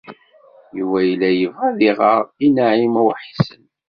Yuba yella yebɣa ad iɣer i Naɛima u Ḥsen.